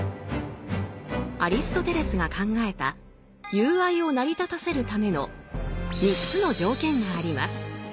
アリストテレスが考えた友愛を成り立たせるための３つの条件があります。